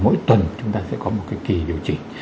mỗi tuần chúng ta sẽ có một cái kỳ điều chỉnh